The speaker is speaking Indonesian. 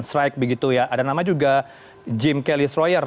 streich begitu ya ada nama juga jim kelly stroyer